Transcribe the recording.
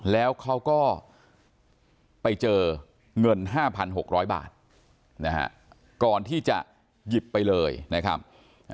แล้วเขาก็ไปเจอเงิน๕๖๐๐บาทนะฮะก่อนที่จะหยิบไปเลยนะครับ